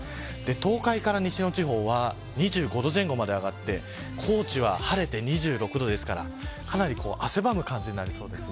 東海から西の地方は２５度前後まで上がって高知は晴れて２６度ですからかなり汗ばむ感じになりそうです。